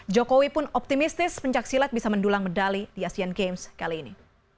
jokowi pun optimistis pencaksilat bisa mendulang medali di asean games kali ini